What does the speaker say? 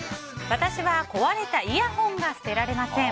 私は壊れたイヤホンが捨てられません。